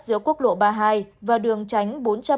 giữa quốc lộ ba mươi hai và đường tránh bốn trăm một mươi hai